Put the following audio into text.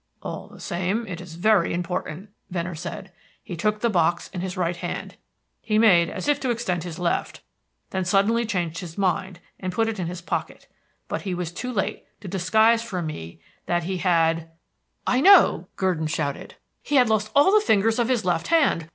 "All the same, it is very important," Venner said. "He took the box in his right hand; he made as if to extend his left, then suddenly changed his mind, and put it in his pocket. But he was too late to disguise from me that he had " "I know," Gurdon shouted. "He had lost all the fingers on his left hand.